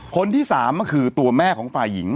คนที่๓ก็คือตัวแม่ของฝ่ายหญิง